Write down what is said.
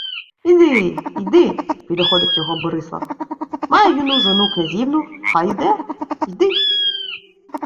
— Іди, йди, — підохотив його Борислав. — Має юну жону-князівну, хай іде. Йди...